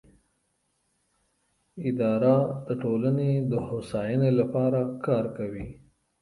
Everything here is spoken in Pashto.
اداره د ټولنې د هوساینې لپاره کار کوي.